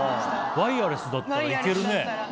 ワイヤレスだったら行けるね。